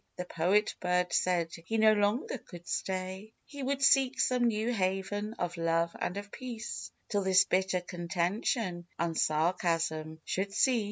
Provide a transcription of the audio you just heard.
The Poet bird said he no longer could stay ; He would seek some new haven of love and of peace, Till this bitter contention and sarcasm should cease.